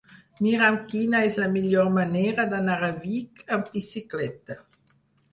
Mira'm quina és la millor manera d'anar a Vic amb bicicleta.